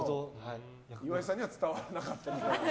岩井さんには伝わらなかったみたいです。